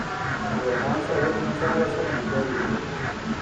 یو افغان صاحب منصب راسره ملګری وو.